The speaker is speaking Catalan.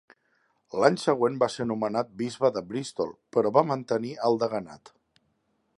L'any següent va ser nomenat bisbe de Bristol, però va mantenir el deganat.